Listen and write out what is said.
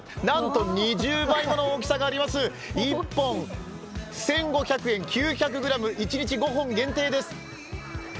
なんと２０倍もの大きさがあります、１本１５００円、９００ｇ、一日５本限定です。